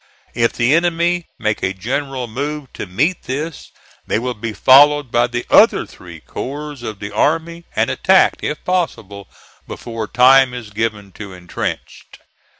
If the enemy make a general move to meet this, they will be followed by the other three corps of the army, and attacked, if possible, before time is given to intrench.